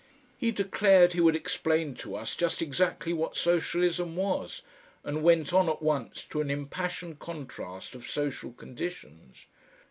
He declared he would explain to us just exactly what socialism was, and went on at once to an impassioned contrast of social conditions.